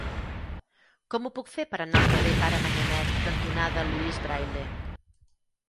Com ho puc fer per anar al carrer Pare Manyanet cantonada Louis Braille?